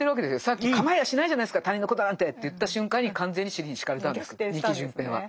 さっき「かまいやしないじゃないですか他人のことなんて」って言った瞬間に完全に尻に敷かれたわけです仁木順平は。